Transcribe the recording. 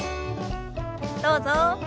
どうぞ。